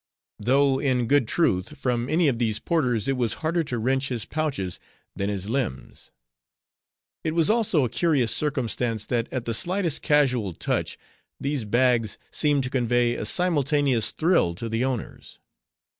Though, in good truth, from any of these porters, it was harder to wrench his pouches, than his limbs. It was also a curious circumstance that at the slightest casual touch, these bags seemed to convey a simultaneous thrill to the owners.